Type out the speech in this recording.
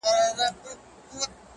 • داسي تېر سو لکه خوب وي چا لېدلی ,